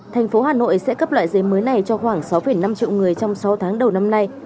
thành phố hà nội sẽ cấp loại giấy mới này cho khoảng sáu năm triệu người trong sáu tháng đầu năm nay